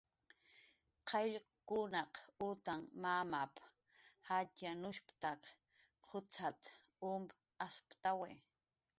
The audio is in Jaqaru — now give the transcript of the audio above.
"Qayllkunaq utn mamp"" jatxyanushp""tak qucxat"" um asptawi"